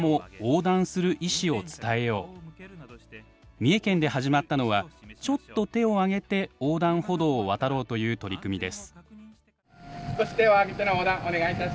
三重県で始まったのはちょっと手を上げて横断歩道を渡ろうという取り組みです。